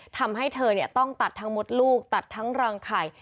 ทำให้เธอต้องตัดทั้งมดลูกตัดทั้งรังไข่